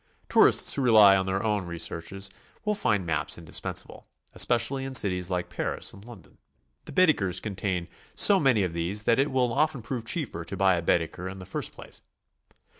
Tourists who rely on their own researches will find maps indispensable, especially in cities like Paris and Lon don. The Baedekers contain so many of these that it will often prove cheaper to buy a Baedeker in the first place.